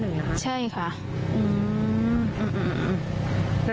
ความปลอดภัยของนายอภิรักษ์และครอบครัวด้วยซ้ำ